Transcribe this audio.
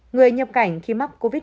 người nhập cảnh khi mắc covid một mươi chín